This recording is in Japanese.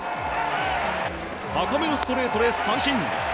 高めのストレートで三振！